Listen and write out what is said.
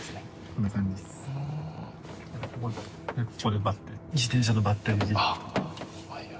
こんな感じっす。